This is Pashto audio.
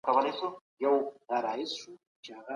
کوربه هیواد بهرنی سیاست نه بدلوي.